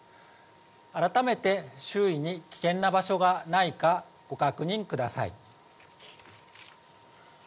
改めて周囲に危険な場所がないか、ご確認ください。